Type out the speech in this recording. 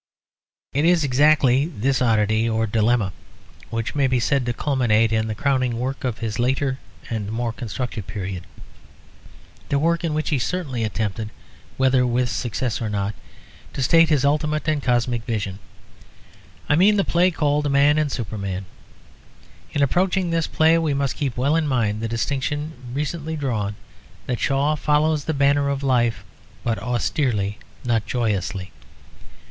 It is exactly this oddity or dilemma which may be said to culminate in the crowning work of his later and more constructive period, the work in which he certainly attempted, whether with success or not, to state his ultimate and cosmic vision; I mean the play called Man and Superman. In approaching this play we must keep well in mind the distinction recently drawn: that Shaw follows the banner of life, but austerely, not joyously.